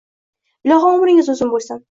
Iloho, umringiz uzun bo`lsin